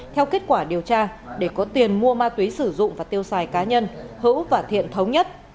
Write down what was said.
theo kết quả điều tra để có tiền mua ma túy sử dụng và tiêu xài cá nhân hữu và thiện thống nhất